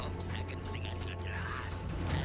om duragan dengan jelas